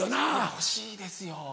欲しいですよ。